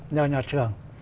nhờ nhà trường